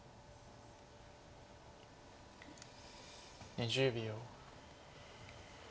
２０秒。